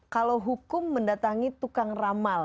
kalau hukum mendatangi tukang ramal